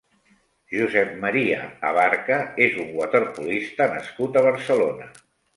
Josep María Abarca és un waterpolista nascut a Barcelona.